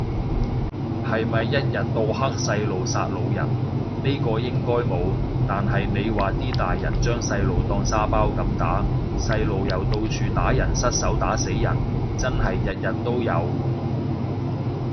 係咪一日到黑細路殺老人，呢個應該冇，但係你話啲大人將細路當沙包咁打，細路又到處打人失手打死人，真係日日都有